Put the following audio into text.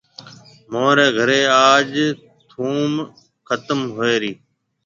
مهوريَ گهريَ آج ٿونڀ ختم هوئِي رِي